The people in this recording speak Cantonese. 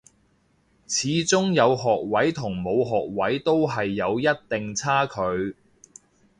始終有學位同冇學位都係有一定差距